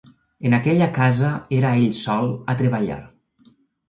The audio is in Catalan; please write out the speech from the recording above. En aquella casa era ell sol a treballar.